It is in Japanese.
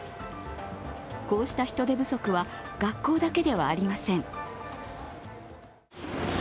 こうした人手不足は学校だけではありません。